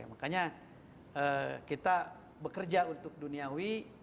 makanya kita bekerja untuk duniawi